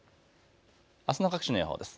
あすの各地の予報です。